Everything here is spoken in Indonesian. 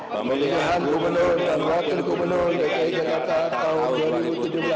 pemilihan gubernur dan wakil gubernur dki jakarta tahun dua ribu tujuh belas